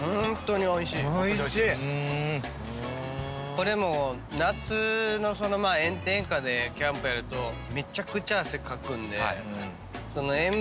これも夏の炎天下でキャンプやるとめちゃくちゃ。